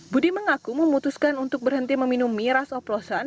budi mengaku memutuskan untuk berhenti meminum miras oplosan